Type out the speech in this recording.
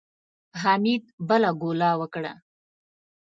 حميد بله ګوله وکړه.